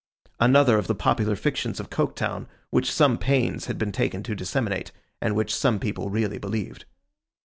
Another of the popular fictions of Coketown, which some pains had been taken to disseminate—and which some people really believed.